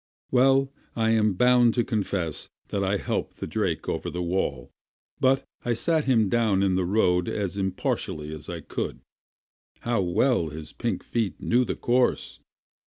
Well, I am bound to confess that I helped the drake over the wall, but I sat him down in the road as impartially as I could. How well his pink feet knew the course!